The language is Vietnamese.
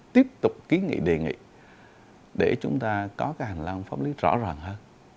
tiếp tục ký nghị đề nghị để chúng ta có cái hành lang pháp lý rõ ràng hơn